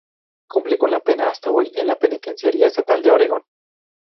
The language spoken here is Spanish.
Cumple la pena hasta hoy en la Penitenciaría Estatal de Oregon.